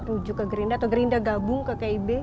tuju ke gerinda atau gerinda gabung ke kib